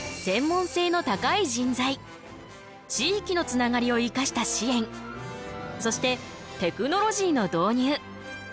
専門性の高い人材地域のつながりを生かした支援そしてテクノロジーの導入。